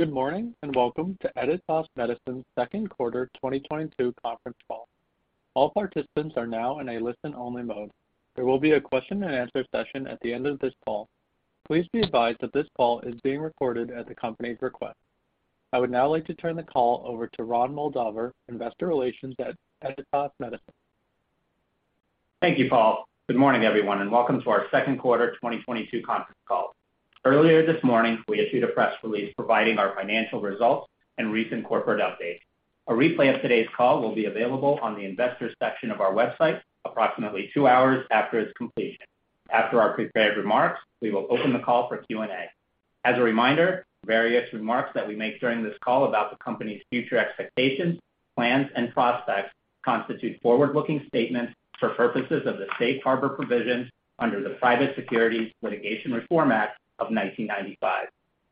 Good morning, and welcome to Editas Medicine's Q2 2022 conference call. All participants are now in a listen-only mode. There will be a question and answer session at the end of this call. Please be advised that this call is being recorded at the company's request. I would now like to turn the call over to Ron Moldaver, Investor Relations at Editas Medicine. Thank you, Paul. Good morning, everyone, and welcome to our Q2 2022 conference call. Earlier this morning, we issued a press release providing our financial results and recent corporate updates. A replay of today's call will be available on the investors section of our website approximately two hours after its completion. After our prepared remarks, we will open the call for Q&A. As a reminder, various remarks that we make during this call about the company's future expectations, plans, and prospects constitute forward-looking statements for purposes of the safe harbor provisions under the Private Securities Litigation Reform Act of 1995.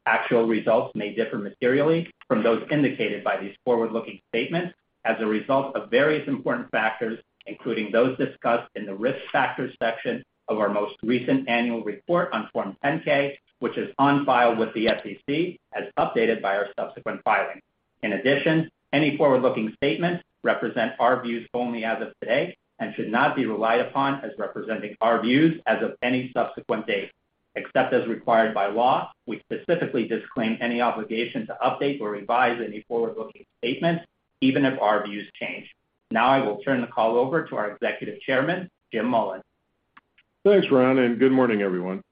Actual results may differ materially from those indicated by these forward-looking statements as a result of various important factors, including those discussed in the Risk Factors section of our most recent annual report on Form 10-K, which is on file with the SEC as updated by our subsequent filings. In addition, any forward-looking statements represent our views only as of today and should not be relied upon as representing our views as of any subsequent date. Except as required by law, we specifically disclaim any obligation to update or revise any forward-looking statements, even if our views change. Now I will turn the call over to our Executive Chairman, Jim Mullen. Thanks, Ron, and good morning, everyone.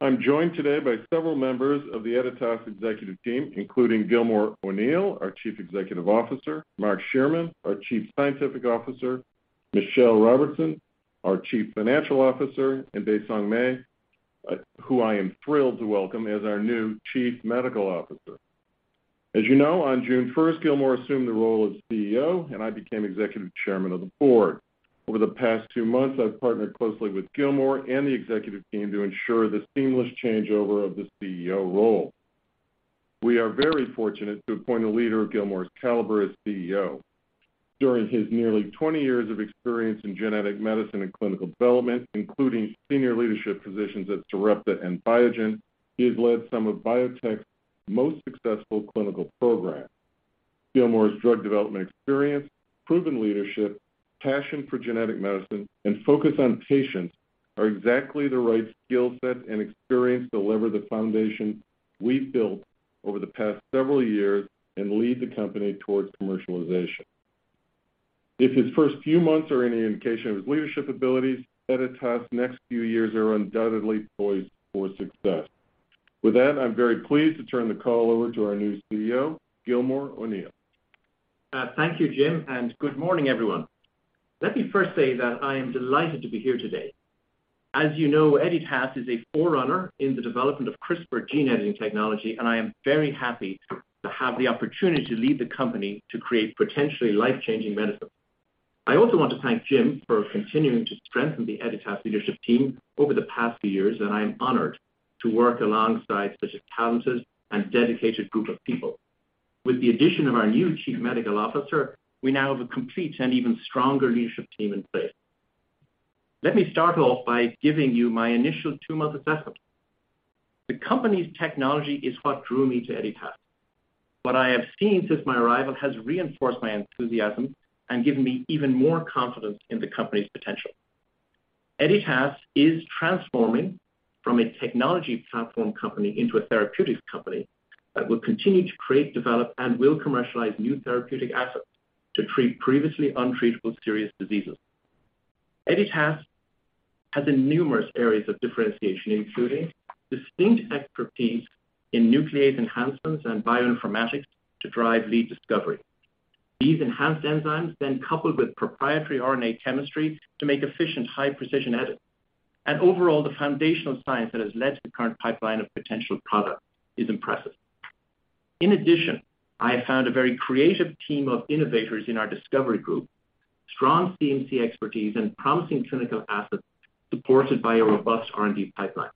I'm joined today by several members of the Editas executive team, including Gilmore O'Neill, our Chief Executive Officer, Mark Shearman, our Chief Scientific Officer, Michelle Robertson, our Chief Financial Officer, and Baisong Mei, who I am thrilled to welcome as our new Chief Medical Officer. As you know, on June 1, Gilmore assumed the role of CEO, and I became Executive Chairman of the Board. Over the past two months, I've partnered closely with Gilmore and the executive team to ensure the seamless changeover of the CEO role. We are very fortunate to appoint a leader of Gilmore's caliber as CEO. During his nearly 20 years of experience in genetic medicine and clinical development, including senior leadership positions at Sarepta and Biogen, he has led some of biotech's most successful clinical programs. Gilmore O'Neill's drug development experience, proven leadership, passion for genetic medicine, and focus on patients are exactly the right skill set and experience to lever the foundation we've built over the past several years and lead the company towards commercialization. If his first few months are any indication of his leadership abilities, Editas' next few years are undoubtedly poised for success. With that, I'm very pleased to turn the call over to our new CEO, Gilmore O'Neill. Thank you, Jim, and good morning, everyone. Let me first say that I am delighted to be here today. As you know, Editas is a forerunner in the development of CRISPR gene editing technology, and I am very happy to have the opportunity to lead the company to create potentially life-changing medicine. I also want to thank Jim for continuing to strengthen the Editas leadership team over the past few years, and I am honored to work alongside such a talented and dedicated group of people. With the addition of our new Chief Medical Officer, we now have a complete and even stronger leadership team in place. Let me start off by giving you my initial two-month assessment. The company's technology is what drew me to Editas. What I have seen since my arrival has reinforced my enthusiasm and given me even more confidence in the company's potential. Editas is transforming from a technology platform company into a therapeutics company that will continue to create, develop, and will commercialize new therapeutic assets to treat previously untreatable serious diseases. Editas has numerous areas of differentiation, including distinct expertise in nuclease enhancements and bioinformatics to drive lead discovery. These enhanced enzymes then coupled with proprietary RNA chemistry to make efficient high-precision edits. Overall, the foundational science that has led to the current pipeline of potential products is impressive. In addition, I have found a very creative team of innovators in our discovery group, strong CMC expertise, and promising clinical assets supported by a robust R&D pipeline.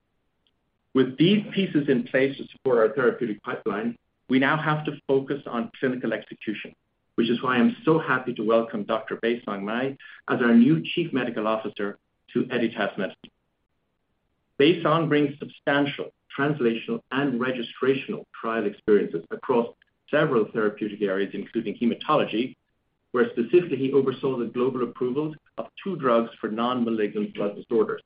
With these pieces in place to support our therapeutic pipeline, we now have to focus on clinical execution, which is why I'm so happy to welcome Dr. Baisong Mei as our new Chief Medical Officer to Editas Medicine. Baisong Mei brings substantial translational and registrational trial experiences across several therapeutic areas, including hematology, where specifically he oversaw the global approvals of two drugs for non-malignant blood disorders.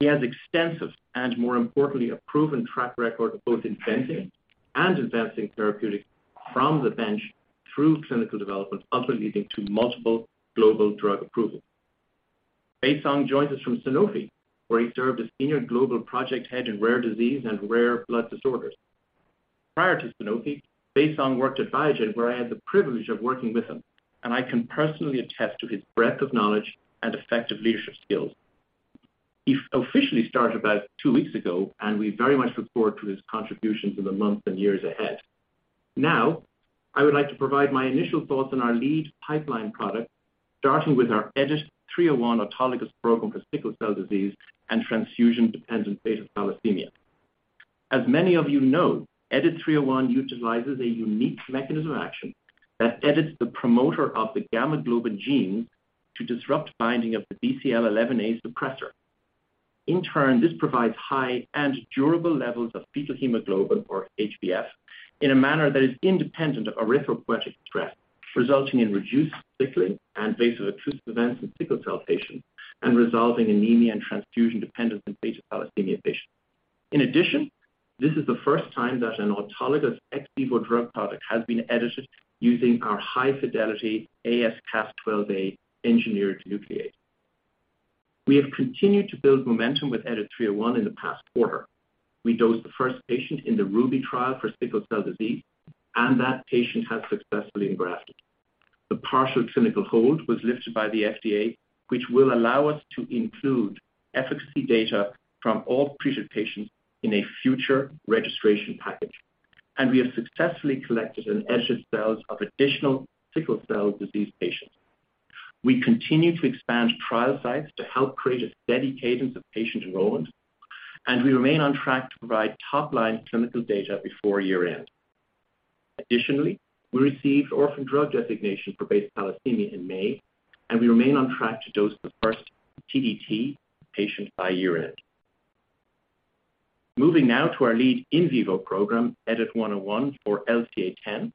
He has extensive and, more importantly, a proven track record both inventing and advancing therapeutics from the bench through clinical development, ultimately leading to multiple global drug approvals. Baisong Mei joins us from Sanofi, where he served as Senior Global Project Head in Rare Disease and Rare Blood Disorders. Prior to Sanofi, Baisong Mei worked at Biogen, where I had the privilege of working with him, and I can personally attest to his breadth of knowledge and effective leadership skills. He officially started about two weeks ago, and we very much look forward to his contributions in the months and years ahead. Now, I would like to provide my initial thoughts on our lead pipeline product, starting with our EDIT-301 autologous ex vivo for sickle cell disease and transfusion-dependent beta thalassemia. As many of you know, EDIT-301 utilizes a unique mechanism of action that edits the promoter of the gamma globin gene to disrupt binding of the BCL11A suppressor. In turn, this provides high and durable levels of fetal hemoglobin or HbF in a manner that is independent of erythropoietic stress, resulting in reduced sickling and vaso-occlusive events in sickle cell patients and resolving anemia and transfusion dependence in beta thalassemia patients. In addition, this is the first time that an autologous ex vivo drug product has been edited using our high-fidelity AsCas12a engineered nuclease. We have continued to build momentum with EDIT-301 in the past quarter. We dosed the first patient in the RUBY trial for sickle cell disease, and that patient has successfully engrafted. The partial clinical hold was lifted by the FDA, which will allow us to include efficacy data from all treated patients in a future registration package. We have successfully collected and edited cells of additional sickle cell disease patients. We continue to expand trial sites to help create a steady cadence of patient enrollment, and we remain on track to provide top-line clinical data before year-end. Additionally, we received orphan drug designation for beta thalassemia in May, and we remain on track to dose the first TDT patient by year-end. Moving now to our lead in vivo program, EDIT-101 for LCA10,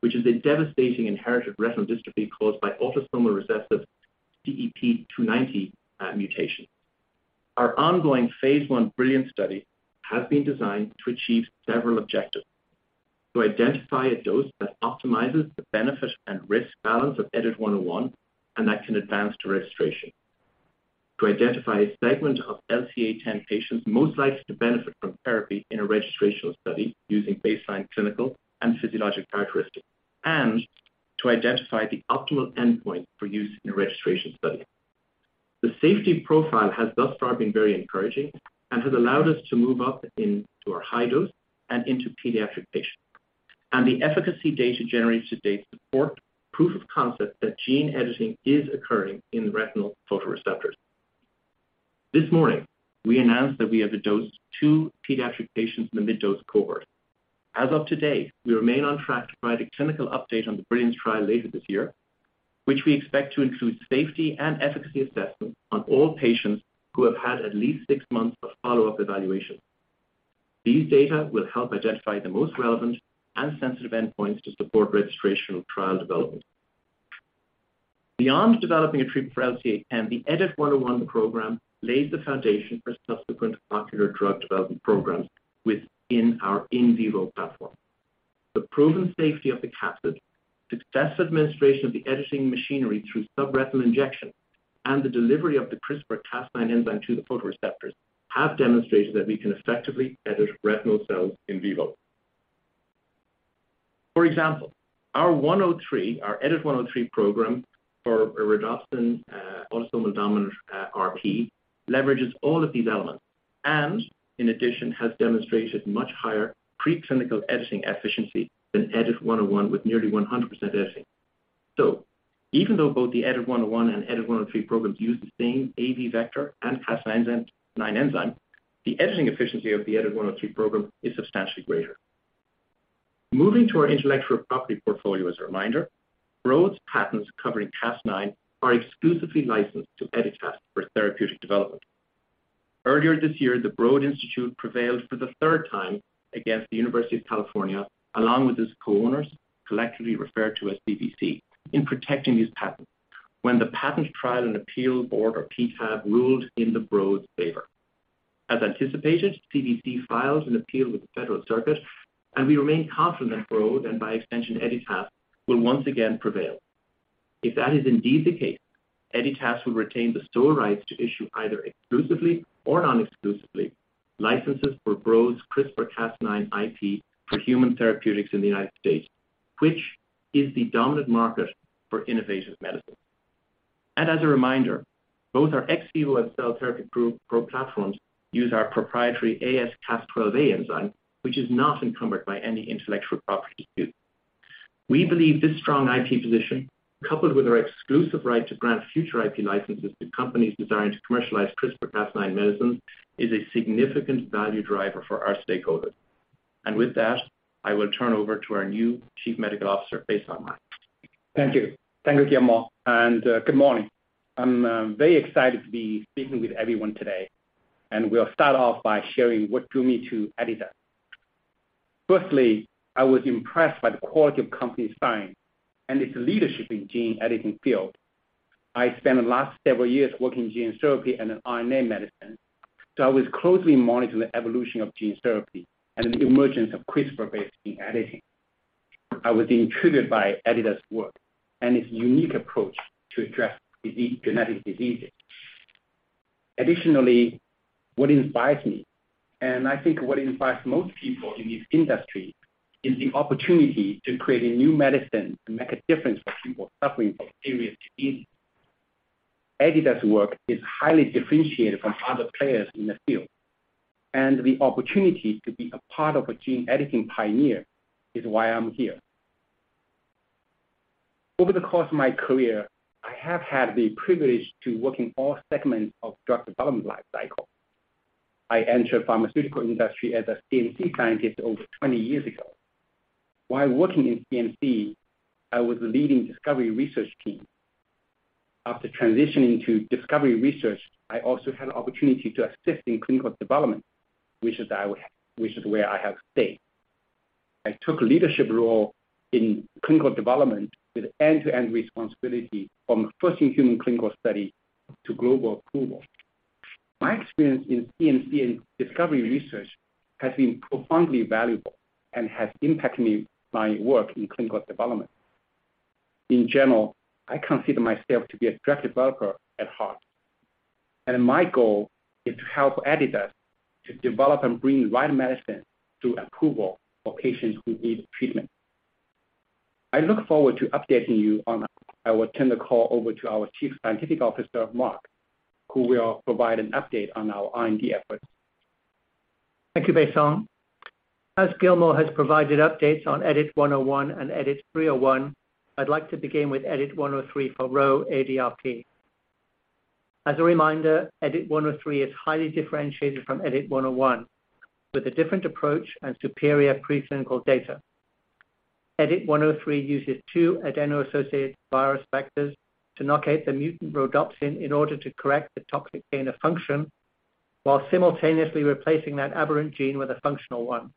which is a devastating inherited retinal dystrophy caused by autosomal recessive CEP290 mutation. Our ongoing Phase I BRILLIANCE study has been designed to achieve several objectives. To identify a dose that optimizes the benefit and risk balance of EDIT-101 and that can advance to registration. To identify a segment of LCA10 patients most likely to benefit from therapy in a registrational study using baseline clinical and physiologic characteristics. To identify the optimal endpoint for use in a registration study. The safety profile has thus far been very encouraging and has allowed us to move up into our high dose and into pediatric patients. The efficacy data generated to date support proof of concept that gene editing is occurring in retinal photoreceptors. This morning, we announced that we have dosed two pediatric patients in the mid-dose cohort. As of today, we remain on track to provide a clinical update on the BRILLIANCE trial later this year, which we expect to include safety and efficacy assessments on all patients who have had at least six months of follow-up evaluation. These data will help identify the most relevant and sensitive endpoints to support registrational trial development. Beyond developing a treatment for LCA10, the EDIT-101 program lays the foundation for subsequent ocular drug development programs within our in vivo platform. The proven safety of the capsid, successful administration of the editing machinery through subretinal injection, and the delivery of the CRISPR Cas9 enzyme to the photoreceptors have demonstrated that we can effectively edit retinal cells in vivo. For example, our 103, our EDIT-103 program for rhodopsin autosomal dominant RP leverages all of these elements and in addition has demonstrated much higher preclinical editing efficiency than EDIT-101 with nearly 100% editing. Even though both the EDIT-101 and EDIT-103 programs use the same AAV vector and Cas9 enzyme, the editing efficiency of the EDIT-103 program is substantially greater. Moving to our intellectual property portfolio as a reminder, Broad's patents covering Cas9 are exclusively licensed to Editas for therapeutic development. Earlier this year, the Broad Institute prevailed for the third time against the University of California, along with its co-owners, collectively referred to as CVC, in protecting these patents when the Patent Trial and Appeal Board or PTAB ruled in Broad's favor. As anticipated, CVC filed an appeal with the Federal Circuit, and we remain confident Broad, and by extension Editas, will once again prevail. If that is indeed the case, Editas will retain the sole rights to issue either exclusively or non-exclusively licenses for Broad's CRISPR Cas9 IP for human therapeutics in the United States, which is the dominant market for innovative medicine. As a reminder, both our ex vivo and cell therapy programs use our proprietary AsCas12a enzyme, which is not encumbered by any intellectual property dispute. We believe this strong IP position, coupled with our exclusive right to grant future IP licenses to companies desiring to commercialize CRISPR Cas9 medicines, is a significant value driver for our stakeholders. With that, I will turn over to our new Chief Medical Officer, Baisong Mei. Thank you. Thank you, Gilmore, and good morning. I'm very excited to be speaking with everyone today, and we'll start off by sharing what drew me to Editas. Firstly, I was impressed by the quality of company's science and its leadership in gene editing field. I spent the last several years working in gene therapy and in RNA medicine, so I was closely monitoring the evolution of gene therapy and the emergence of CRISPR-based gene editing. I was intrigued by Editas' work and its unique approach to address disease, genetic diseases. Additionally, what inspires me, and I think what inspires most people in this industry, is the opportunity to create a new medicine to make a difference for people suffering from serious diseases. Editas' work is highly differentiated from other players in the field, and the opportunity to be a part of a gene editing pioneer is why I'm here. Over the course of my career, I have had the privilege to work in all segments of drug development lifecycle. I entered pharmaceutical industry as a CMC scientist over 20 years ago. While working in CMC, I was leading discovery research team. After transitioning to discovery research, I also had an opportunity to assist in clinical development, which is where I have stayed. I took a leadership role in clinical development with end-to-end responsibility from first in-human clinical study to global approval. My experience in CMC and discovery research has been profoundly valuable and has impacted my work in clinical development. In general, I consider myself to be a drug developer at heart, and my goal is to help Editas to develop and bring the right medicine to approval for patients who need treatment. I look forward to updating you on that. I will turn the call over to our Chief Scientific Officer, Mark, who will provide an update on our R&D efforts. Thank you, Baisong. As Gilmore has provided updates on EDIT-101 and EDIT-301, I'd like to begin with EDIT-103 for RHO-adRP. As a reminder, EDIT-103 is highly differentiated from EDIT-101, with a different approach and superior preclinical data. EDIT-103 uses two adeno-associated virus vectors to knock out the mutant rhodopsin in order to correct the toxic gain of function while simultaneously replacing that aberrant gene with a functional one.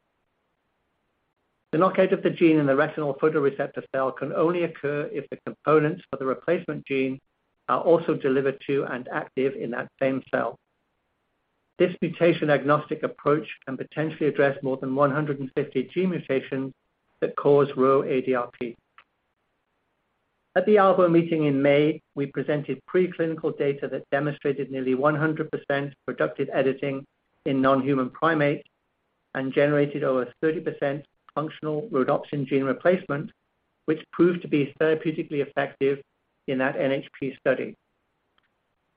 The knockout of the gene in the retinal photoreceptor cell can only occur if the components for the replacement gene are also delivered to and active in that same cell. This mutation-agnostic approach can potentially address more than 150 gene mutations that cause RHO-adRP. At the ARVO meeting in May, we presented preclinical data that demonstrated nearly 100% productive editing in non-human primate and generated over 30% functional rhodopsin gene replacement, which proved to be therapeutically effective in that NHP study.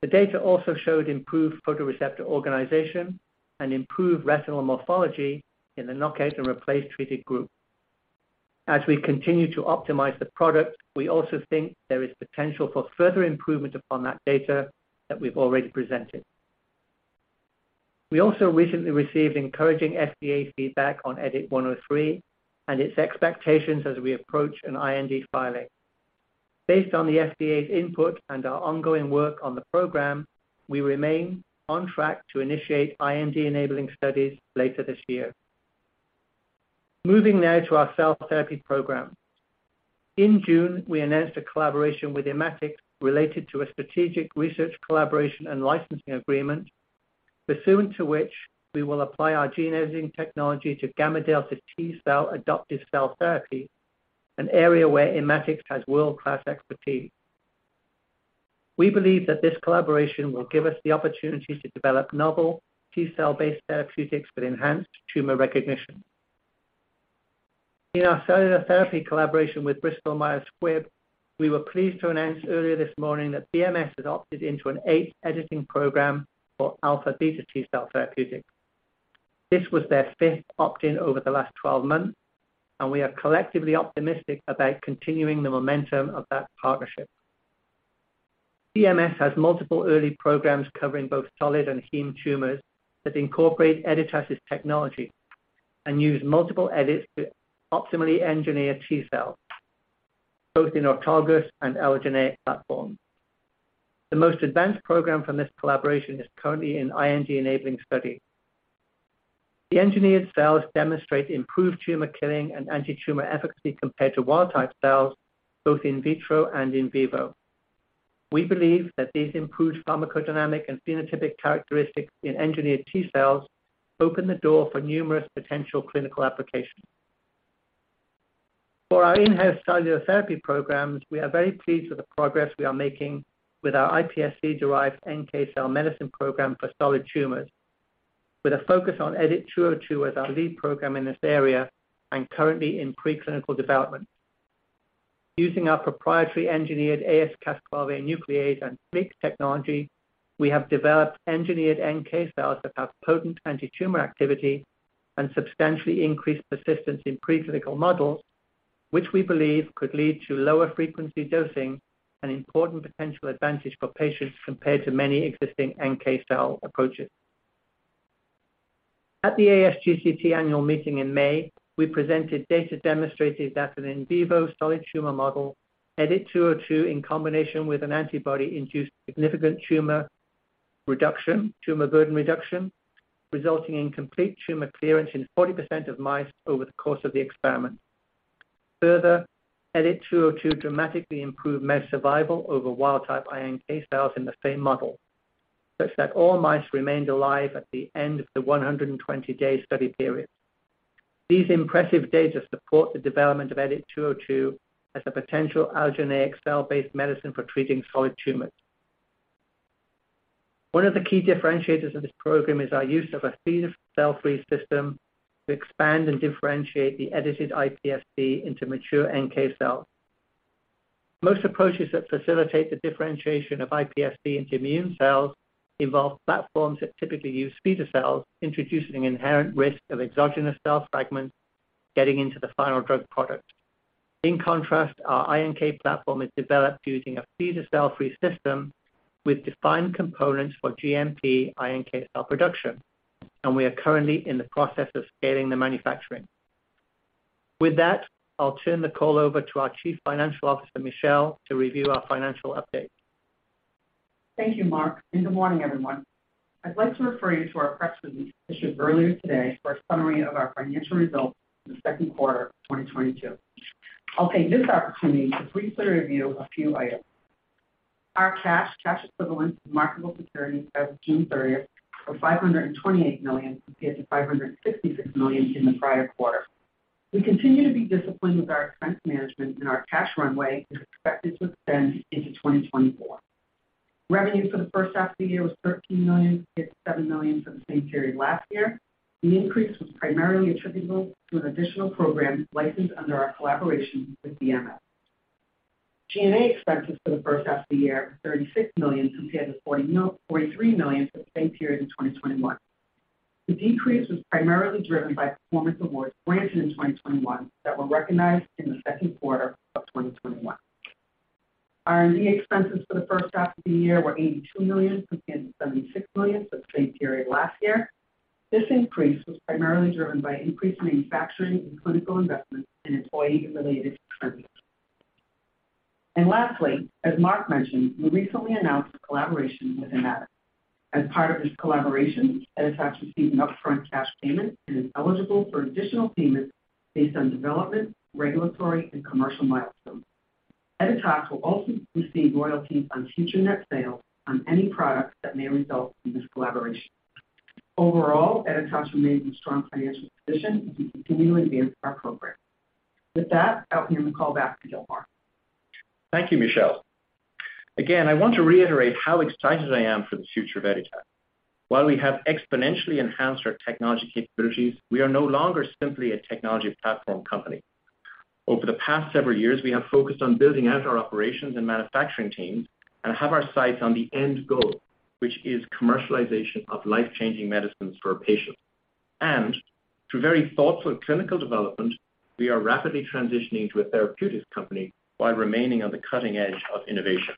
The data also showed improved photoreceptor organization and improved retinal morphology in the knockout and replace treated group. As we continue to optimize the product, we also think there is potential for further improvement upon that data that we've already presented. We also recently received encouraging FDA feedback on EDIT-103 and its expectations as we approach an IND filing. Based on the FDA's input and our ongoing work on the program, we remain on track to initiate IND-enabling studies later this year. Moving now to our cell therapy program. In June, we announced a collaboration with Immatics related to a strategic research collaboration and licensing agreement, pursuant to which we will apply our gene editing technology to gamma delta T-cell adoptive cell therapy, an area where Immatics has world-class expertise. We believe that this collaboration will give us the opportunity to develop novel T-cell-based therapeutics with enhanced tumor recognition. In our cellular therapy collaboration with Bristol Myers Squibb, we were pleased to announce earlier this morning that BMS has opted into an eighth editing program for alpha beta T-cell therapeutic. This was their fifth opt-in over the last 12 months, and we are collectively optimistic about continuing the momentum of that partnership. BMS has multiple early programs covering both solid and hematologic tumors that incorporate Editas' technology and use multiple edits to optimally engineer T-cell, both in autologous and allogeneic platform. The most advanced program from this collaboration is currently in IND-enabling study. The engineered cells demonstrate improved tumor killing and anti-tumor efficacy compared to wild-type cells, both in vitro and in vivo. We believe that these improved pharmacodynamic and phenotypic characteristics in engineered T-cells open the door for numerous potential clinical applications. For our in-house cellular therapy programs, we are very pleased with the progress we are making with our iPSC-derived NK cell medicine program for solid tumors, with a focus on EDIT-202 as our lead program in this area and currently in preclinical development. Using our proprietary engineered AsCas12a nuclease and base-editing technology, we have developed engineered NK cells that have potent anti-tumor activity and substantially increased persistence in preclinical models, which we believe could lead to lower frequency dosing, an important potential advantage for patients compared to many existing NK cell approaches. At the ASGCT annual meeting in May, we presented data demonstrating that an in vivo solid tumor model, EDIT-202 in combination with an antibody induced significant tumor reduction, tumor burden reduction, resulting in complete tumor clearance in 40% of mice over the course of the experiment. Further, EDIT-202 dramatically improved mouse survival over wild-type iNK cells in the same model, such that all mice remained alive at the end of the 120-day study period. These impressive data support the development of EDIT-202 as a potential allogeneic cell-based medicine for treating solid tumors. One of the key differentiators of this program is our use of a feeder cell-free system to expand and differentiate the edited iPSC into mature NK cells. Most approaches that facilitate the differentiation of iPSC into immune cells involve platforms that typically use feeder cells, introducing inherent risk of exogenous cell fragments getting into the final drug product. In contrast, our iNK platform is developed using a feeder-free cell-free system with defined components for GMP iNK cell production, and we are currently in the process of scaling the manufacturing. With that, I'll turn the call over to our Chief Financial Officer, Michelle, to review our financial update. Thank you, Mark, and good morning, everyone. I'd like to refer you to our press release issued earlier today for a summary of our financial results for the Q2 of 2022. I'll take this opportunity to briefly review a few items. Our cash equivalents, and marketable securities as of June 30 were $528 million compared to $566 million in the prior quarter. We continue to be disciplined with our expense management, and our cash runway is expected to extend into 2024. Revenue for the H1 of the year was $13 million compared to $7 million for the same period last year. The increase was primarily attributable to an additional program licensed under our collaboration with BMS. G&A expenses for the H1 of the year was $36 million compared to $43 million for the same period in 2021. The decrease was primarily driven by performance awards granted in 2021 that were recognized in the Q2 of 2021. R&D expenses for the H1 of the year were $82 million compared to $76 million for the same period last year. This increase was primarily driven by increased manufacturing and clinical investments and employee-related expenses. Lastly, as Mark mentioned, we recently announced a collaboration with Immatics. As part of this collaboration, Editas received an upfront cash payment and is eligible for additional payments based on development, regulatory, and commercial milestones. Editas will also receive royalties on future net sales on any products that may result from this collaboration. Overall, Editas remains in a strong financial position as we continue to advance our programs. With that, I'll hand the call back to you, Mark. Thank you, Michelle. Again, I want to reiterate how excited I am for the future of Editas. While we have exponentially enhanced our technology capabilities, we are no longer simply a technology platform company. Over the past several years, we have focused on building out our operations and manufacturing teams and have our sights on the end goal, which is commercialization of life-changing medicines for patients. Through very thoughtful clinical development, we are rapidly transitioning to a therapeutics company while remaining on the cutting edge of innovation.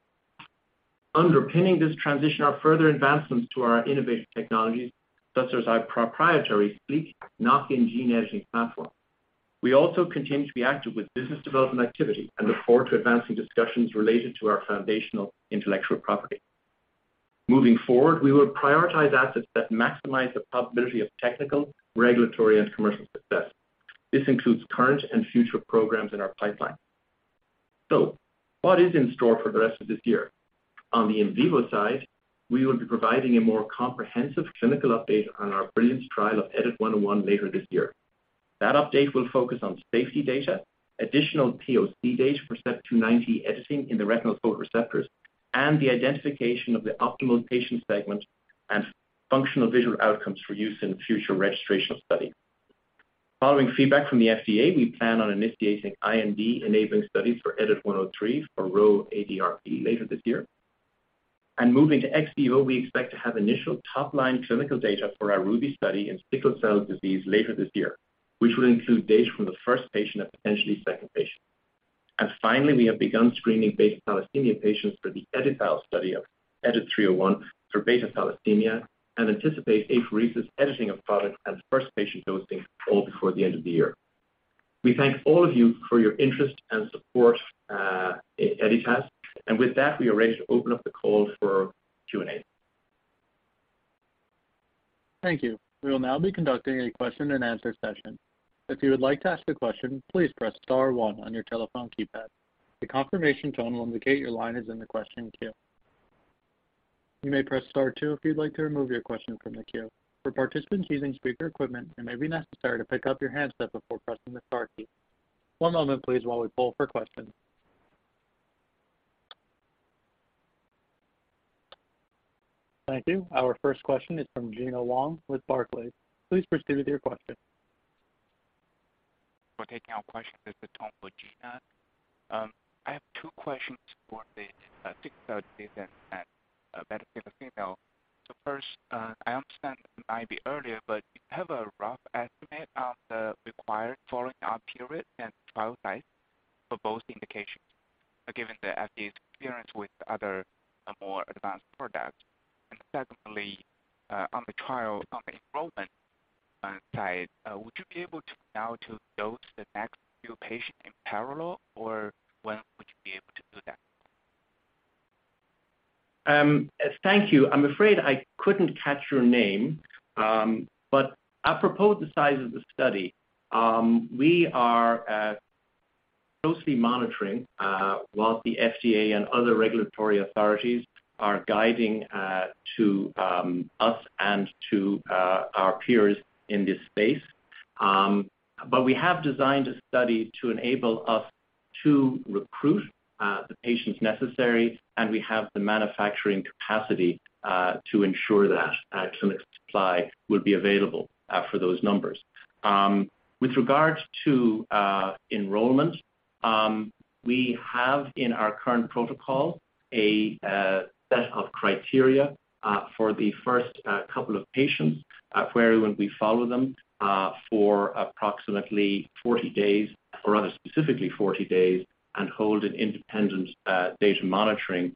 Underpinning this transition are further advancements to our innovative technologies, such as our proprietary split knock-in gene editing platform. We also continue to be active with business development activity and look forward to advancing discussions related to our foundational intellectual property. Moving forward, we will prioritize assets that maximize the probability of technical, regulatory, and commercial success. This includes current and future programs in our pipeline. What is in store for the rest of this year? On the in vivo side, we will be providing a more comprehensive clinical update on our BRILLIANCE trial of EDIT-101 later this year. That update will focus on safety data, additional POC data for CEP290 editing in the retinal photoreceptors, and the identification of the optimal patient segment and functional visual outcomes for use in future registrational study. Following feedback from the FDA, we plan on initiating IND-enabling studies for EDIT-103 for RHO-adRP later this year. Moving to ex vivo, we expect to have initial top-line clinical data for our RUBY study in sickle cell disease later this year, which will include data from the first patient and potentially second patient. Finally, we have begun screening beta-thalassemia patients for the EdiTHAL study of EDIT-301 for beta-thalassemia and anticipate apheresis editing of product and first patient dosing all before the end of the year. We thank all of you for your interest and support in Editas. With that, we are ready to open up the call for Q&A. Thank you. We will now be conducting a question and answer session. If you would like to ask a question, please press star one on your telephone keypad. The confirmation tone will indicate your line is in the question queue. You may press star two if you'd like to remove your question from the queue. For participants using speaker equipment, it may be necessary to pick up your handset before pressing the star key. One moment please while we poll for questions. Thank you. Our first question is from Gena Wang with Barclays. Please proceed with your question. for taking our questions. This is Tong for Gena Wang. I have two questions for the sickle cell disease and beta thalassemia. First, I understand maybe earlier, but do you have a rough estimate on the required follow-up period and trial size for both indications, given the FDA's experience with other more advanced products? Second, on the trial enrollment side, would you be able to now to dose the next few patients in parallel, or when would you be able to do that? Thank you. I'm afraid I couldn't catch your name. Apropos the size of the study, we are closely monitoring what the FDA and other regulatory authorities are guiding to us and to our peers in this space. We have designed a study to enable us to recruit the patients necessary, and we have the manufacturing capacity to ensure that clinical supply will be available for those numbers. With regards to enrollment, we have in our current protocol a set of criteria for the first couple of patients, where, when we follow them for approximately 40 days, or rather specifically 40 days and hold an independent data monitoring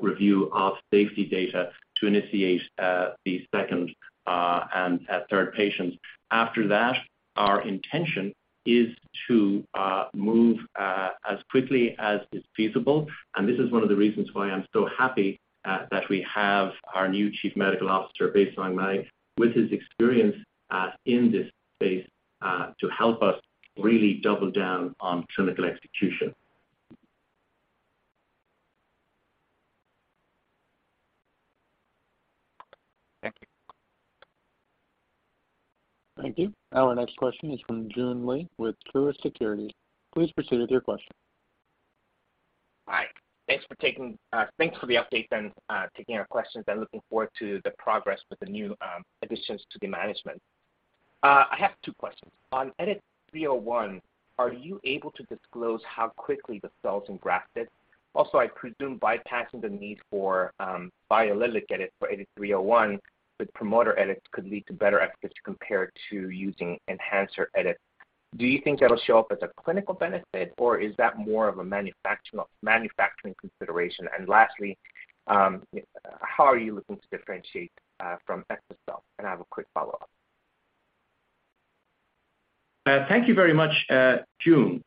review of safety data to initiate the second and third patients. After that, our intention is to move as quickly as is feasible. This is one of the reasons why I'm so happy that we have our new Chief Medical Officer, Baisong Mei, with his experience in this space to help us really double down on clinical execution. Thank you. Thank you. Our next question is from Jun Li with Chardan Securities. Please proceed with your question. Hi. Thanks for the update and taking our questions. I'm looking forward to the progress with the new additions to the management. I have two questions. On EDIT-301, are you able to disclose how quickly the cells engrafted? Also, I presume bypassing the need for BCL11A EDIT-301 with promoter edits could lead to better efficacy compared to using enhancer edits. Do you think that'll show up as a clinical benefit, or is that more of a manufacturing consideration? How are you looking to differentiate from exa-cel? I have a quick follow-up. Thank you very much, Jun.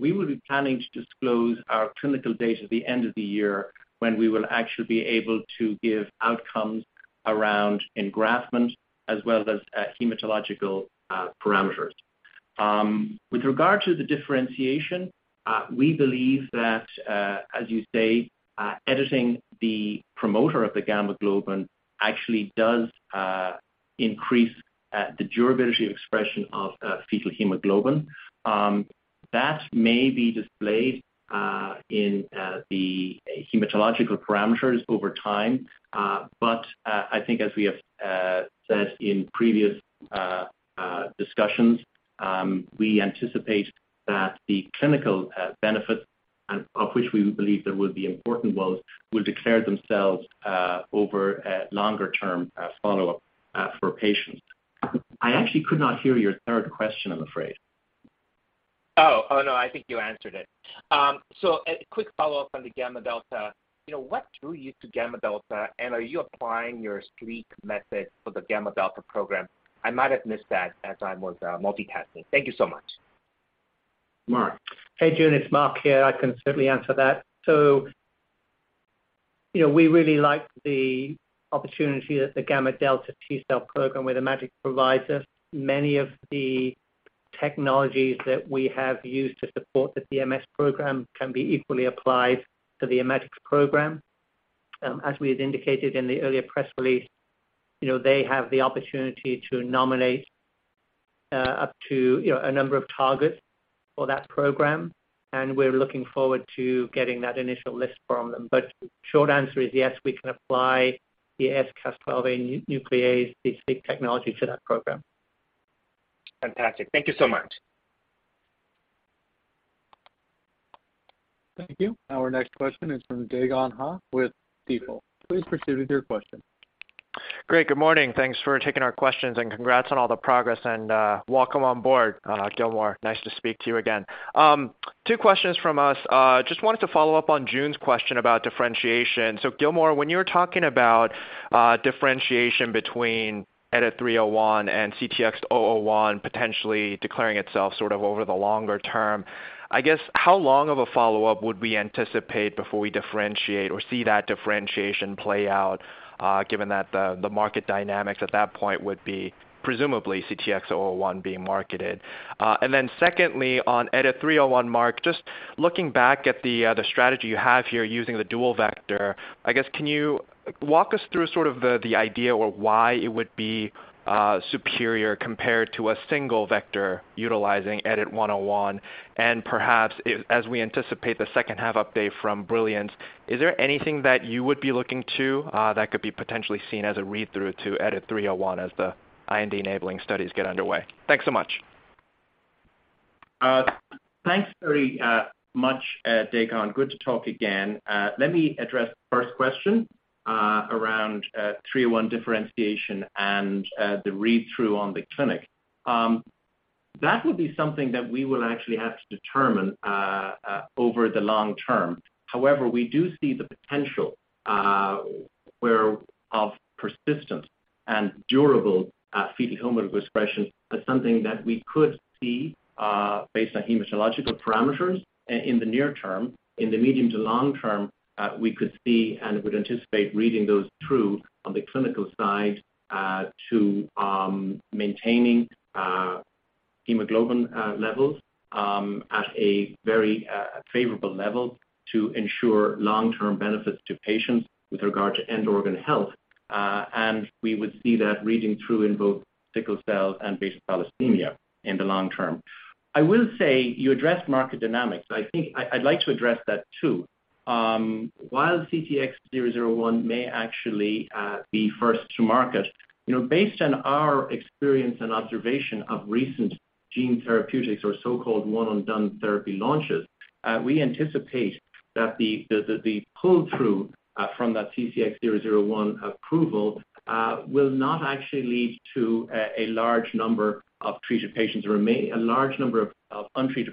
We will be planning to disclose our clinical data at the end of the year when we will actually be able to give outcomes around engraftment as well as hematological parameters. With regard to the differentiation, we believe that, as you say, editing the promoter of the gamma globin actually does increase the durability of expression of fetal hemoglobin. That may be displayed in the hematological parameters over time. I think as we have said in previous discussions, we anticipate that the clinical benefits, of which we believe there will be important ones, will declare themselves over a longer-term follow-up for patients. I actually could not hear your third question, I'm afraid. Oh, no, I think you answered it. A quick follow-up on the gamma delta. You know, what drew you to gamma delta, and are you applying your SLEEK method for the gamma delta program? I might have missed that as I was multitasking. Thank you so much. Mark. Hey, Jun, it's Mark here. I can certainly answer that. You know, we really like the opportunity that the gamma delta T-cell program with Immatics provides us. Many of the technologies that we have used to support the CMC program can be equally applied to the Immatics program. As we had indicated in the earlier press release, you know, they have the opportunity to nominate up to a number of targets for that program, and we're looking forward to getting that initial list from them. Short answer is yes, we can apply the AsCas12a nuclease, the SLEEK technology to that program. Fantastic. Thank you so much. Thank you. Our next question is from Dae Gon Ha with Stifel. Please proceed with your question. Great. Good morning. Thanks for taking our questions, and congrats on all the progress, and welcome on board, Gilmore. Nice to speak to you again. Two questions from us. Just wanted to follow up on Jun's question about differentiation. Gilmore, when you were talking about differentiation between EDIT-301 and CTX-001 potentially declaring itself sort of over the longer term, I guess, how long of a follow-up would we anticipate before we differentiate or see that differentiation play out, given that the market dynamics at that point would be presumably CTX-001 being marketed? Secondly, on EDIT-301, Mark, just looking back at the strategy you have here using the dual vector, I guess, can you walk us through sort of the idea or why it would be superior compared to a single vector utilizing EDIT-101? Perhaps as we anticipate the H2 update from BRILLIANCE, is there anything that you would be looking to that could be potentially seen as a read-through to EDIT-301 as the IND-enabling studies get underway? Thanks so much. Thanks very much, Dae Gon Ha. Good to talk again. Let me address the first question around 301 differentiation and the read-through on the clinical. That will be something that we will actually have to determine over the long term. However, we do see the potential of persistent and durable fetal hemoglobin expression as something that we could see based on hematological parameters in the near term. In the medium to long term, we could see and would anticipate reading those through on the clinical side to maintaining hemoglobin levels at a very favorable level to ensure long-term benefits to patients with regard to end organ health. We would see that reading through in both sickle cell and beta thalassemia in the long term. I will say you addressed market dynamics. I think I'd like to address that too. While CTX001 may actually be first to market, you know, based on our experience and observation of recent gene therapeutics or so-called one-and-done therapy launches, we anticipate that the pull through from that CTX001 approval will not actually lead to a large number of untreated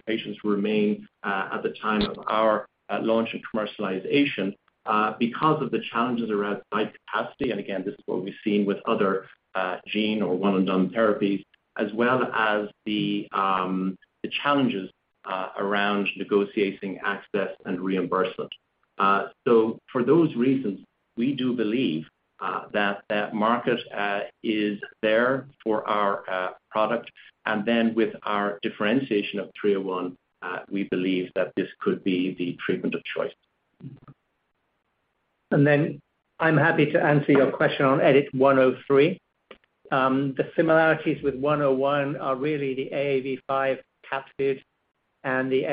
patients remain at the time of our launch and commercialization because of the challenges around site capacity. Again, this is what we've seen with other gene or one-and-done therapies, as well as the challenges around negotiating access and reimbursement. For those reasons, we do believe that market is there for our product. With our EDIT-301, we believe that this could be the treatment of choice. I'm happy to answer your question on EDIT-103. The similarities with 101 are really the AAV5 capsid and the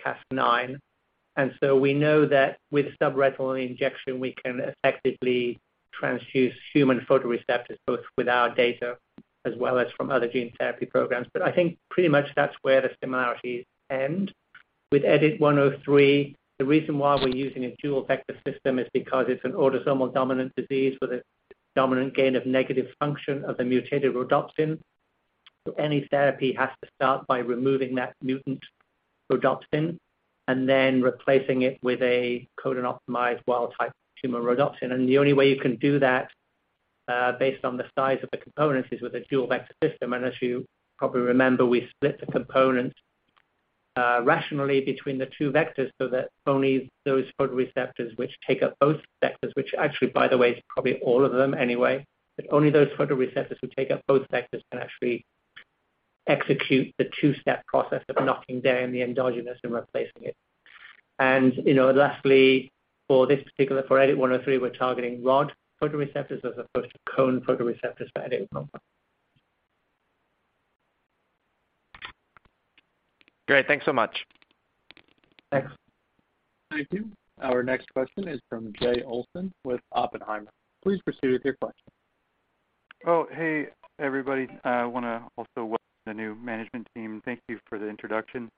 SaCas9. We know that with subretinal injection, we can effectively transduce human photoreceptors, both with our data as well as from other gene therapy programs. I think pretty much that's where the similarities end. With EDIT-103, the reason why we're using a dual vector system is because it's an autosomal dominant disease with a dominant-negative function of the mutated rhodopsin. Any therapy has to start by removing that mutant rhodopsin and then replacing it with a codon optimized wild-type human rhodopsin. The only way you can do that, based on the size of the components, is with a dual vector system. As you probably remember, we split the components rationally between the two vectors so that only those photoreceptors which take up both vectors, which actually, by the way, is probably all of them anyway, but only those photoreceptors who take up both vectors can actually execute the two-step process of knocking down the endogenous and replacing it. You know, lastly, for this particular, for EDIT-103, we're targeting rod photoreceptors as opposed to cone photoreceptors for EDIT-101. Great. Thanks so much. Thanks. Thank you. Our next question is from Jay Olson with Oppenheimer. Please proceed with your question. Oh, hey, everybody. I wanna also welcome the new management team. Thank you for the introduction,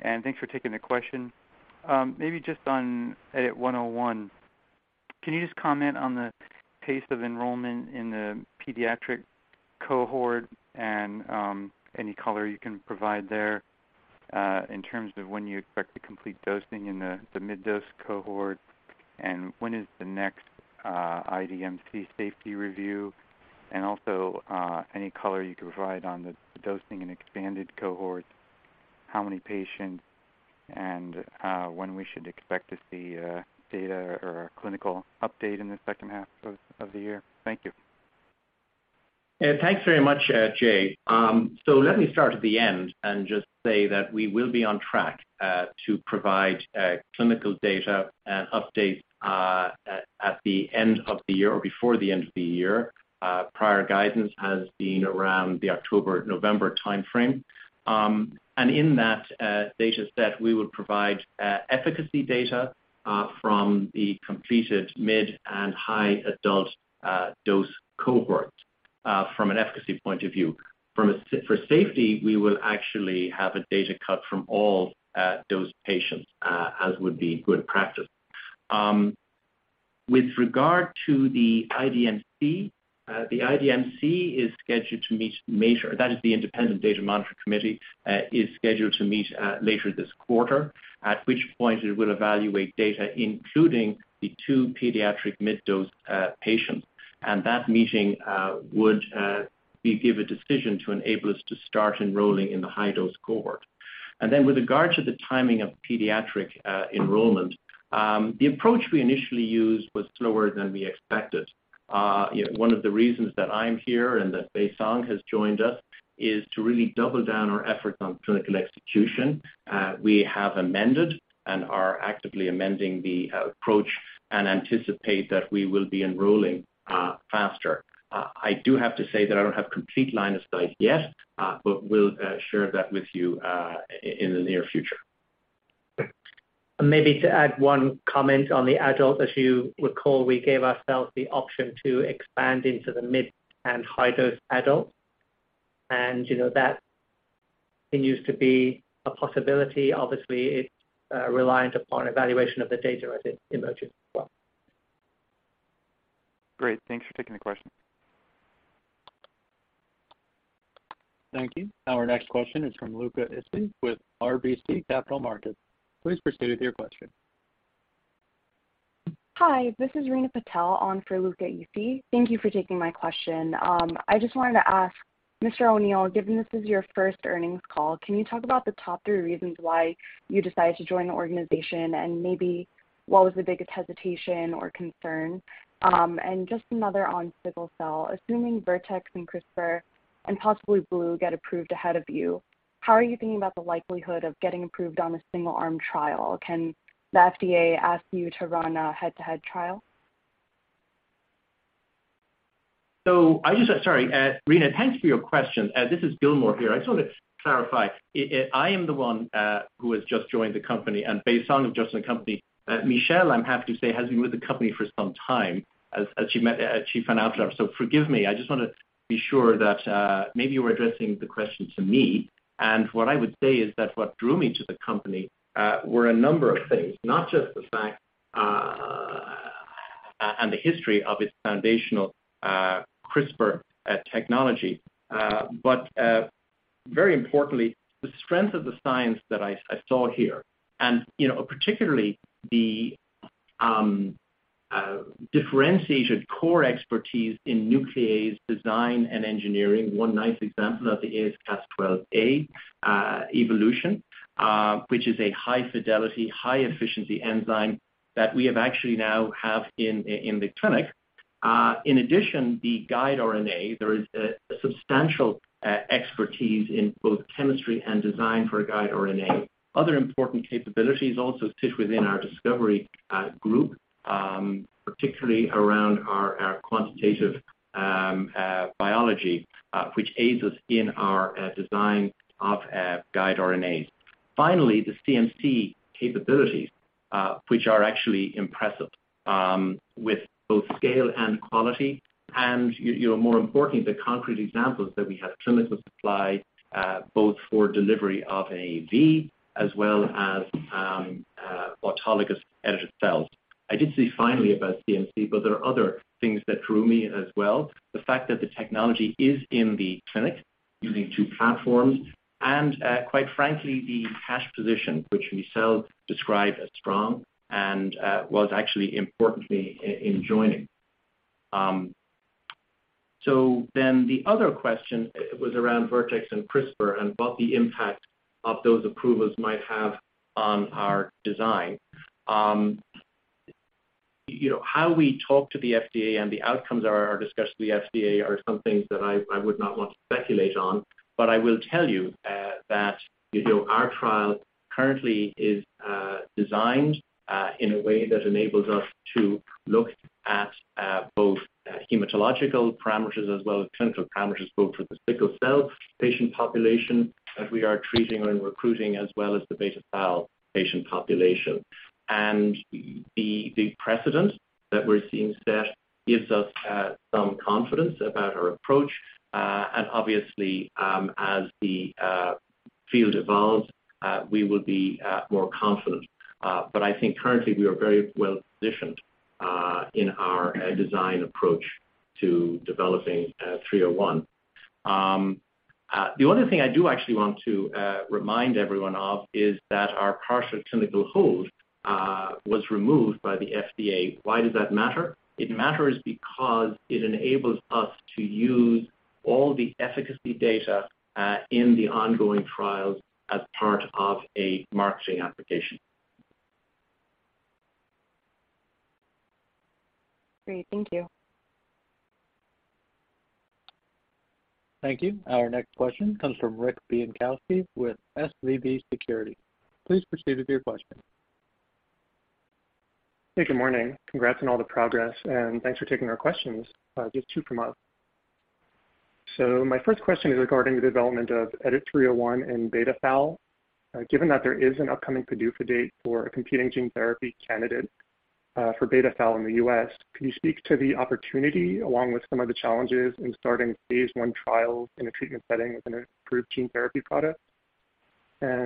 and thanks for taking the question. Maybe just on EDIT-101, can you just comment on the pace of enrollment in the pediatric cohort and any color you can provide there in terms of when you expect to complete dosing in the mid-dose cohort? And when is the next IDMC safety review? And also any color you can provide on the dosing in expanded cohorts, how many patients, and when we should expect to see data or a clinical update in the H2 of the year? Thank you. Yeah, thanks very much, Jay. Let me start at the end and just say that we will be on track to provide clinical data and updates at the end of the year or before the end of the year. Prior guidance has been around the October, November timeframe. In that data set, we will provide efficacy data from the completed mid and high adult dose cohort from an efficacy point of view. From a safety, we will actually have a data cut from all dose patients, as would be good practice. With regard to the IDMC, the IDMC is scheduled to meet, that is the Independent Data Monitoring Committee, is scheduled to meet later this quarter, at which point it will evaluate data, including the two pediatric mid-dose patients. That meeting would give a decision to enable us to start enrolling in the high dose cohort. With regard to the timing of pediatric enrollment, the approach we initially used was slower than we expected. One of the reasons that I'm here and that Baisong Mei has joined us is to really double down our efforts on clinical execution. We have amended and are actively amending the approach and anticipate that we will be enrolling faster. I do have to say that I don't have complete line of sight yet, but we'll share that with you in the near future. Maybe to add one comment on the adult. As you recall, we gave ourselves the option to expand into the mid and high-dose adult. You know that continues to be a possibility. Obviously, it's reliant upon evaluation of the data as it emerges as well. Great. Thanks for taking the question. Thank you. Our next question is from Luca Issi with RBC Capital Markets. Please proceed with your question. Hi, this is Reena Patel on for Luca Issi. Thank you for taking my question. I just wanted to ask Mr. O'Neill, given this is your first earnings call, can you talk about the top three reasons why you decided to join the organization, and maybe what was the biggest hesitation or concern? And just another on sickle cell. Assuming Vertex and CRISPR and possibly bluebird bio get approved ahead of you, how are you thinking about the likelihood of getting approved on a single-arm trial? Can the FDA ask you to run a head-to-head trial? Sorry, Reena, thanks for your question. This is Gilmore here. I just want to clarify. I am the one who has just joined the company, and based on just the company, Michelle, I'm happy to say, has been with the company for some time as chief financial officer. Forgive me, I just want to be sure that maybe you were addressing the question to me. What I would say is that what drew me to the company were a number of things, not just the fact and the history of its foundational CRISPR technology, but very importantly, the strength of the science that I saw here. You know, particularly the differentiation core expertise in nuclease design and engineering. One nice example of it is Cas12a evolution, which is a high fidelity, high efficiency enzyme that we actually now have in the clinic. In addition, the guide RNA, there is a substantial expertise in both chemistry and design for a guide RNA. Other important capabilities also sit within our discovery group, particularly around our quantitative biology, which aids us in our design of guide RNAs. Finally, the CMC capabilities, which are actually impressive, with both scale and quality. You know, more importantly, the concrete examples that we have clinical supply, both for delivery of AAV as well as autologous edited cells. I did say finally about CMC, but there are other things that drew me as well. The fact that the technology is in the clinic using two platforms, and, quite frankly, the cash position, which Michelle described as strong and, was actually importantly in joining. The other question was around Vertex and CRISPR and what the impact of those approvals might have on our design. You know, how we talk to the FDA and the outcomes are discussed with the FDA are some things that I would not want to speculate on. I will tell you that you know our trial currently is designed in a way that enables us to look at both hematological parameters as well as clinical parameters, both for the sickle cell patient population that we are treating and recruiting, as well as the beta thal patient population. The precedent that we're seeing set gives us some confidence about our approach. Obviously, as the field evolves, we will be more confident. I think currently we are very well positioned in our design approach to developing 301. The other thing I do actually want to remind everyone of is that our partial clinical hold was removed by the FDA. Why does that matter? It matters because it enables us to use all the efficacy data in the ongoing trials as part of a marketing application. Great. Thank you. Thank you. Our next question comes from Rick Bienkowski with SVB Securities. Please proceed with your question. Hey, good morning. Congrats on all the progress, and thanks for taking our questions. Just two from us. My first question is regarding the development of EDIT-301 and beta thal. Given that there is an upcoming PDUFA date for a competing gene therapy candidate for beta thal in the U.S., can you speak to the opportunity along with some of the challenges in starting Phase I trials in a treatment setting with an approved gene therapy product? For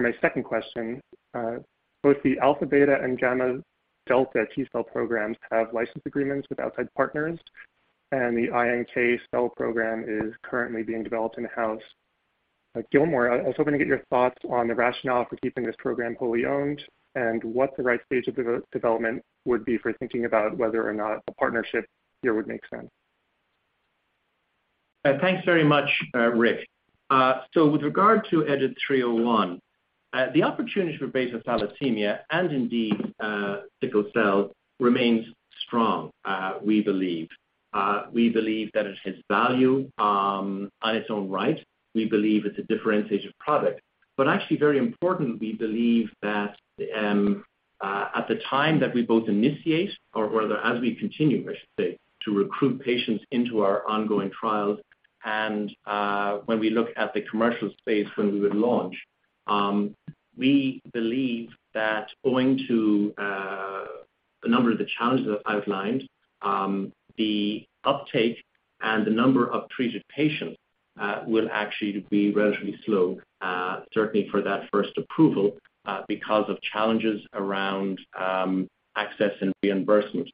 my second question, both the alpha beta and gamma delta T-cell programs have license agreements with outside partners, and the iNK cell program is currently being developed in-house. Gilmore, I was hoping to get your thoughts on the rationale for keeping this program fully owned and what the right stage of development would be for thinking about whether or not a partnership here would make sense. Thanks very much, Rick. With regard to EDIT-301, the opportunity for beta thalassemia, and indeed, sickle cell remains strong, we believe. We believe that it has value on its own right. We believe it's a differentiated product. Actually, very importantly, we believe that at the time that we both initiate or rather as we continue, I should say, to recruit patients into our ongoing trials, and when we look at the commercial space when we would launch, we believe that owing to the number of the challenges I've outlined, the uptake and the number of treated patients will actually be relatively slow, certainly for that first approval, because of challenges around access and reimbursement.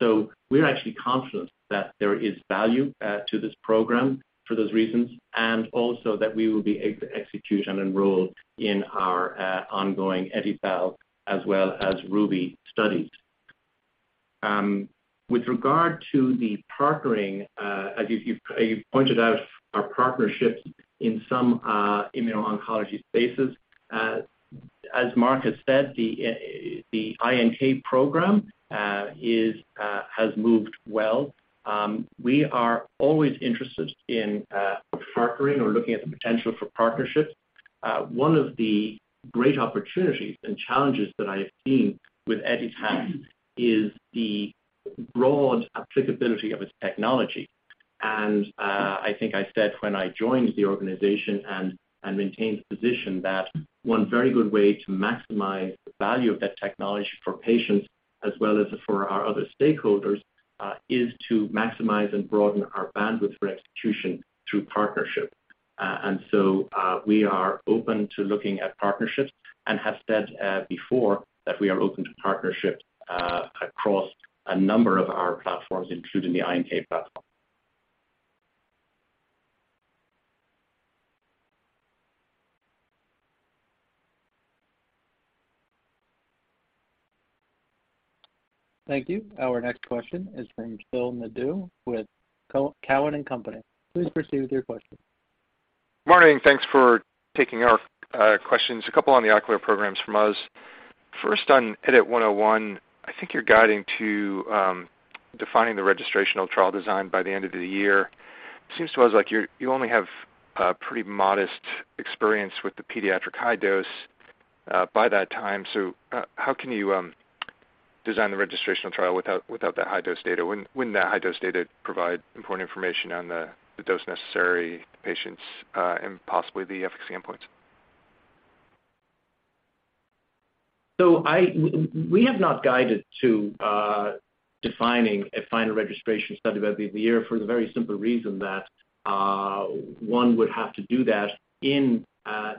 We're actually confident that there is value to this program for those reasons, and also that we will be executing enrollment in our ongoing EdiTHAL as well as RUBY studies. With regard to the partnering, as you've pointed out our partnerships in some immuno-oncology spaces, as Mark has said, the iNK program has moved well. We are always interested in partnering or looking at the potential for partnerships. One of the great opportunities and challenges that I have seen with Editas is the broad applicability of its technology. I think I said when I joined the organization and maintained the position that one very good way to maximize the value of that technology for patients as well as for our other stakeholders is to maximize and broaden our bandwidth for execution through partnership. We are open to looking at partnerships and have said before that we are open to partnerships across a number of our platforms, including the iNK platform. Thank you. Our next question is from Philip Nadeau with Cowen and Company. Please proceed with your question. Morning. Thanks for taking our questions. A couple on the ocular programs from us. First, on EDIT-101, I think you're guiding to defining the registrational trial design by the end of the year. Seems to us like you only have a pretty modest experience with the pediatric high dose by that time. How can you design the registrational trial without that high dose data when that high dose data provide important information on the dose necessary to patients and possibly the efficacy endpoints? We have not guided to defining a final registration study by the year for the very simple reason that one would have to do that in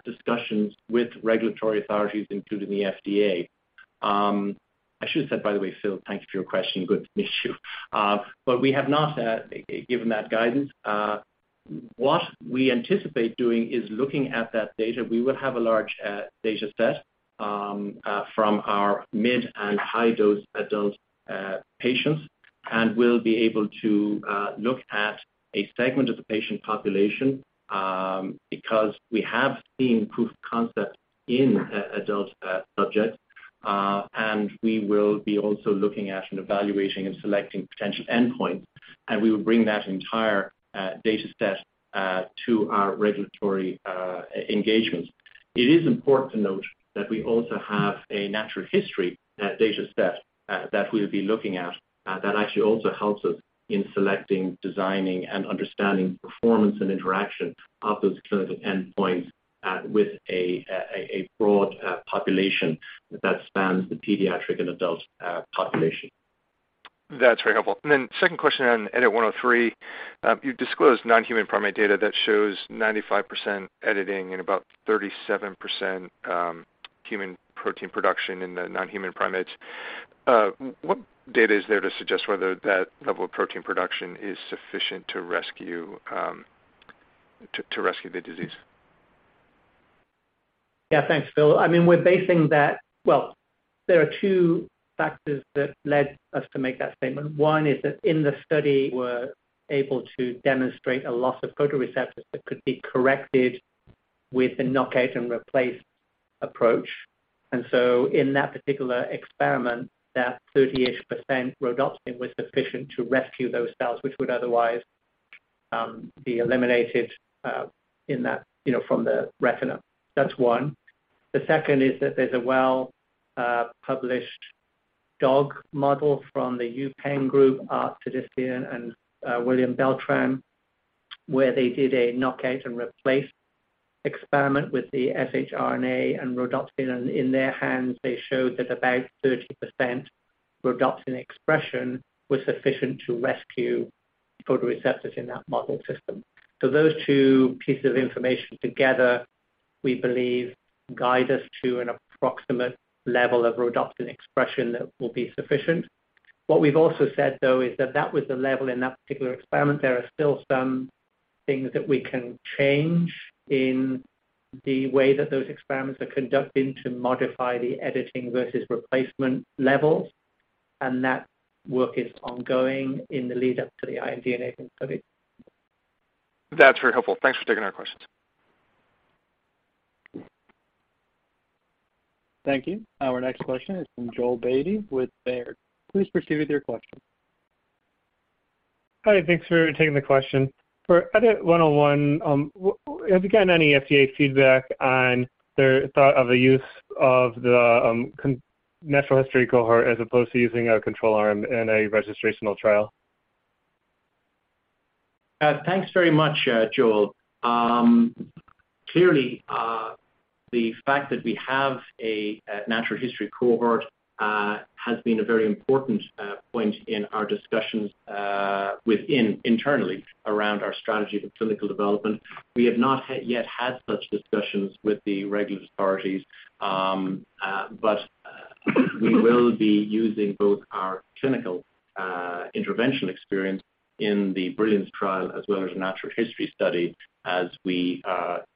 discussions with regulatory authorities, including the FDA. I should have said, by the way, Phil, thank you for your question. Good to meet you. We have not given that guidance. What we anticipate doing is looking at that data. We will have a large data set from our mid and high-dose adult patients, and we'll be able to look at a segment of the patient population because we have seen proof of concept in adult subjects. We will be also looking at and evaluating and selecting potential endpoints, and we will bring that entire data set to our regulatory engagements. It is important to note that we also have a natural history data set that we'll be looking at that actually also helps us in selecting, designing, and understanding performance and interaction of those clinical endpoints with a broad population that spans the pediatric and adult population. That's very helpful. Second question on EDIT-103. You've disclosed non-human primate data that shows 95% editing and about 37% human protein production in the non-human primates. What data is there to suggest whether that level of protein production is sufficient to rescue the disease? Yeah. Thanks, Philip Nadeau. I mean, we're basing that. Well, there are two factors that led us to make that statement. One is that in the study, we're able to demonstrate a loss of photoreceptors that could be corrected with the knockout and replace approach. In that particular experiment, that 30-ish% rhodopsin was sufficient to rescue those cells, which would otherwise be eliminated in that, you know, from the retina. That's one. The second is that there's a well published dog model from the Yu Pang group, Artur Cideciyan, and William Beltran, where they did a knockout and replace experiment with the shRNA and rhodopsin. In their hands, they showed that about 30% rhodopsin expression was sufficient to rescue photoreceptors in that model system. Those two pieces of information together, we believe, guide us to an approximate level of rhodopsin expression that will be sufficient. What we've also said, though, is that that was the level in that particular experiment. There are still some things that we can change in the way that those experiments are conducted to modify the editing versus replacement levels, and that work is ongoing in the lead-up to the IND-enabling study. That's very helpful. Thanks for taking our questions. Thank you. Our next question is from Joel Beatty with Baird. Please proceed with your question. Hi. Thanks for taking the question. For EDIT-101, have you gotten any FDA feedback on their thought of the use of the natural history cohort as opposed to using a control arm in a registrational trial? Thanks very much, Joel. Clearly, the fact that we have a natural history cohort has been a very important point in our discussions within internally around our strategy for clinical development. We have not yet had such discussions with the regulatory authorities, but we will be using both our clinical intervention experience in the BRILLIANCE trial as well as natural history study as we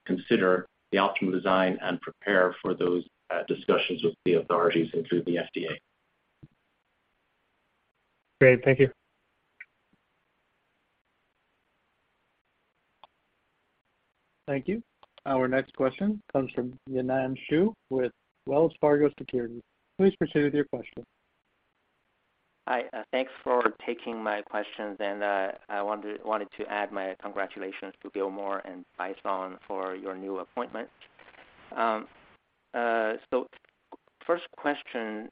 consider the optimal design and prepare for those discussions with the authorities, including the FDA. Great. Thank you. Thank you. Our next question comes from Yinan Xu with Wells Fargo Securities. Please proceed with your question. Hi, thanks for taking my questions, and I wanted to add my congratulations to Gilmore and Baisong for your new appointment. First question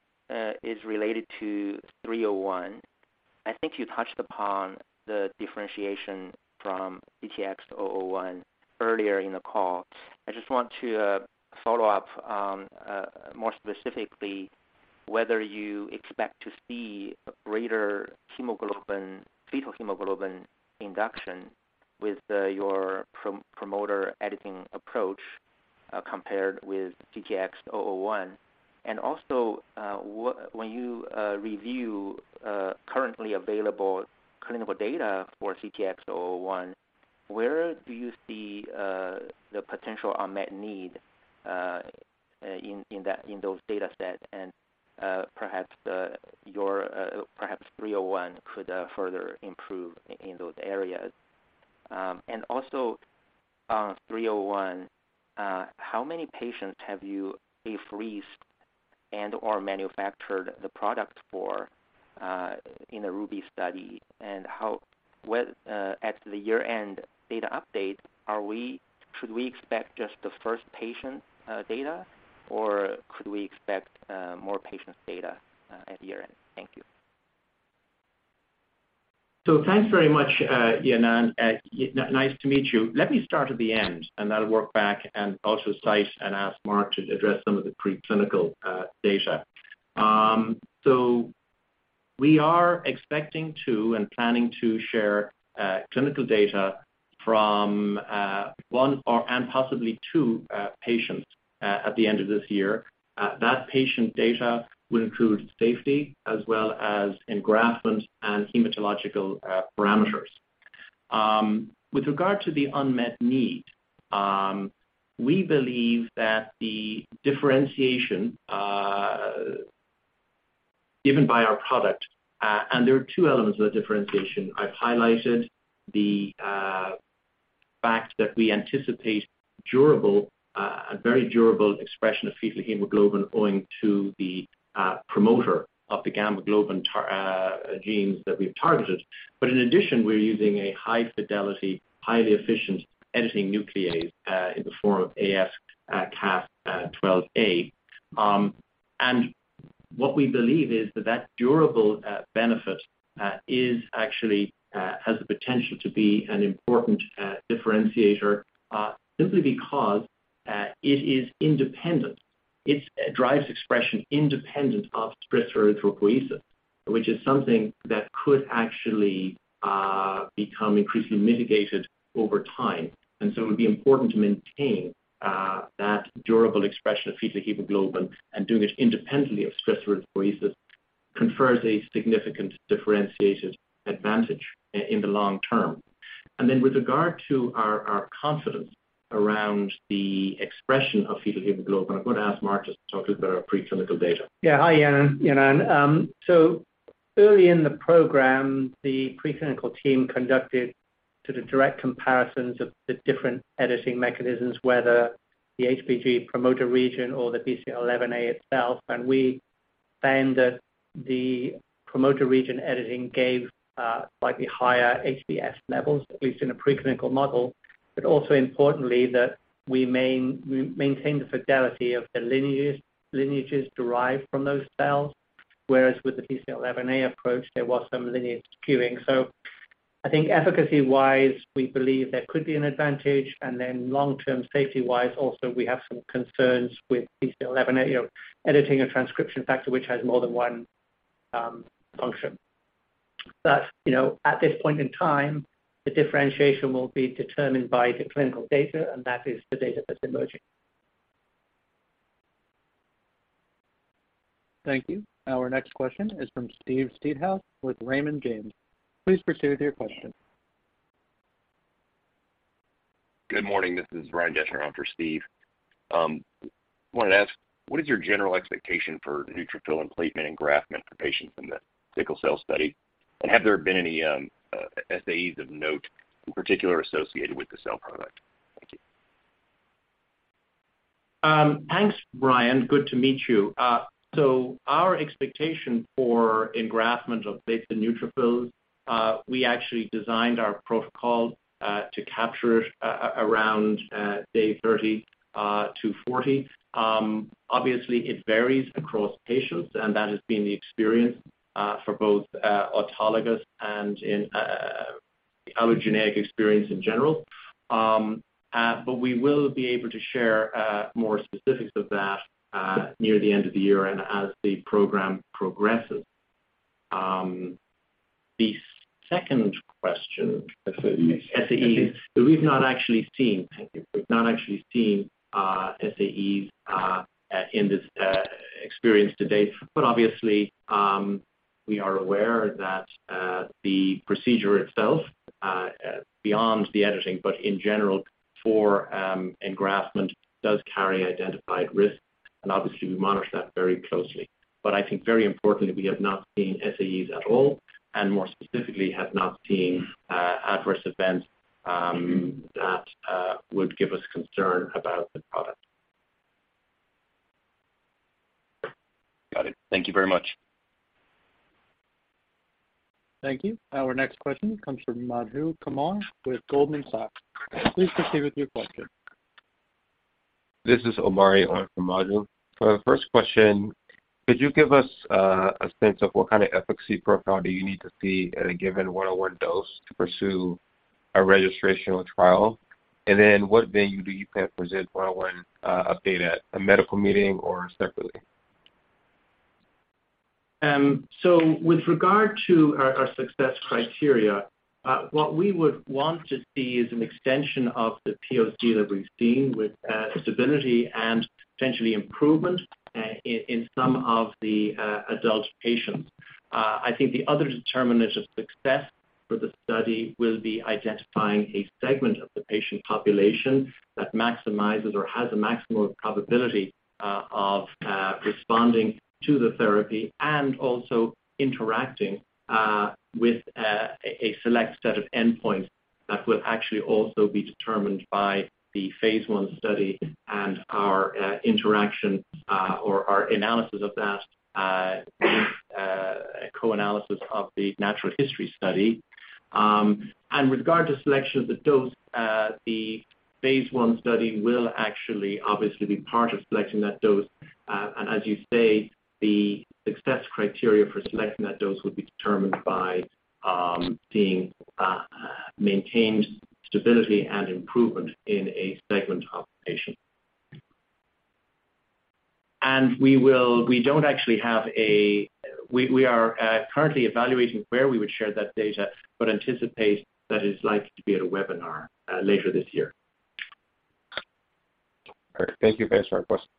is related to 301. I think you touched upon the differentiation from CTX001 earlier in the call. I just want to follow up more specifically whether you expect to see greater hemoglobin, fetal hemoglobin induction with your promoter editing approach compared with CTX001. Also, when you review currently available clinical data for CTX001, where do you see the potential unmet need in those data set? Perhaps your 301 could further improve in those areas. On EDIT-301, how many patients have you enrolled and/or manufactured the product for in the RUBY study and how at the year-end data update should we expect just the first patient data or could we expect more patients' data at year-end? Thank you. Thanks very much, Yinan. Nice to meet you. Let me start at the end, and then I'll work back and also cite and ask Mark to address some of the preclinical data. We are expecting to and planning to share clinical data from one or possibly two patients at the end of this year. That patient data will include safety as well as engraftment and hematological parameters. With regard to the unmet need, we believe that the differentiation given by our product, and there are two elements of that differentiation. I've highlighted the fact that we anticipate a very durable expression of fetal hemoglobin owing to the promoter of the gamma globin genes that we've targeted. In addition, we're using a high fidelity, highly efficient editing nuclease in the form of AsCas12a. What we believe is that that durable benefit is actually has the potential to be an important differentiator simply because it is independent. It drives expression independent of stress erythropoiesis, which is something that could actually become increasingly mitigated over time. It would be important to maintain that durable expression of fetal hemoglobin and doing it independently of stress erythropoiesis confers a significant differentiated advantage in the long term. With regard to our confidence around the expression of fetal hemoglobin, I'm going to ask Mark to talk to the preclinical data. Yeah. Hi, Yinan. Yinan, early in the program, the preclinical team conducted sort of direct comparisons of the different editing mechanisms, whether the HBG promoter region or the BCL11A itself. We found that the promoter region editing gave slightly higher HbF levels, at least in a preclinical model, but also importantly, that we maintain the fidelity of the lineages derived from those cells, whereas with the BCL11A approach, there was some lineage skewing. I think efficacy-wise, we believe there could be an advantage. Then long-term safety-wise also, we have some concerns with BCL11A, you know, editing a transcription factor which has more than one function. You know, at this point in time, the differentiation will be determined by the clinical data, and that is the data that's emerging. Thank you. Our next question is from Steve Seedhouse with Raymond James. Please proceed with your question. Good morning. This is Brian Davis on for Steve. Wanted to ask, what is your general expectation for neutrophil and platelet engraftment for patients in the sickle cell study? Have there been any SAEs of note in particular associated with the cell product? Thank you. Thanks, Brian. Good to meet you. So our expectation for engraftment of platelets and neutrophils, we actually designed our protocol to capture around day 30 to 40. Obviously it varies across patients, and that has been the experience for both autologous and allogeneic experience in general. But we will be able to share more specifics of that near the end of the year and as the program progresses. The second question. SAEs. SAEs. We've not actually seen SAEs in this experience to date, but obviously, we are aware that the procedure itself, beyond the editing, but in general for engraftment, does carry identified risks. Obviously we monitor that very closely. I think very importantly, we have not seen SAEs at all and more specifically have not seen adverse events that would give us concern about the product. Got it. Thank you very much. Thank you. Our next question comes from Madhu Kumar with Goldman Sachs. Please proceed with your question. This is Omari on for Madhu. For the first question, could you give us a sense of what kind of efficacy profile do you need to see at a given EDIT-101 dose to pursue a registrational trial? What venue do you plan to present EDIT-101 update at, a medical meeting or separately? With regard to our success criteria, what we would want to see is an extension of the POC that we've seen with stability and potentially improvement in some of the adult patients. I think the other determinant of success for the study will be identifying a segment of the patient population that maximizes or has a maximum probability of responding to the therapy and also interacting with a select set of endpoints that will actually also be determined by the phase one study and our interaction or our analysis of that with co-analysis of the natural history study. With regard to selection of the dose, the phase one study will actually obviously be part of selecting that dose. As you say, the success criteria for selecting that dose will be determined by seeing maintained stability and improvement in a segment of patients. We are currently evaluating where we would share that data, but anticipate that it's likely to be at a webinar later this year. All right. Thank you guys for our questions.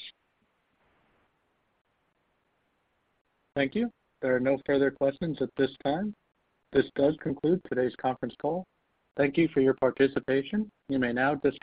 Thank you. There are no further questions at this time. This does conclude today's conference call. Thank you for your participation. You may now disconnect.